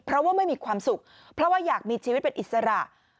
เพราะว่าไม่มีความสุขเพราะว่าอยากมีชีวิตเป็นอิสระ